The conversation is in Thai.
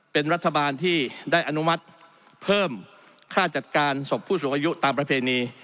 เป็นรัฐบาลที่ได้อนุมัติเพิ่มค่าจัดการศพผู้สูงอายุตามประเพณี